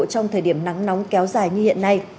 trong thời điểm nắng nóng kéo dài như hiện nay